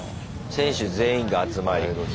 選手全員が集まり。